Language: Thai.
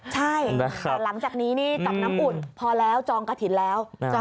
ใช่แต่หลังจากนี้นี่กับน้ำอุ่นพอแล้วจองกระถิ่นแล้ว